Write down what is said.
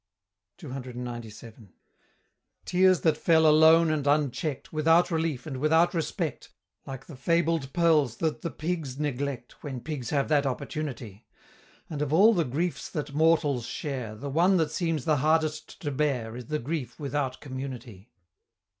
CCXCVII. Tears that fell alone and unchecked, Without relief, and without respect, Like the fabled pearls that the pigs neglect, When pigs have that opportunity And of all the griefs that mortals share, The one that seems the hardest to bear Is the grief without community.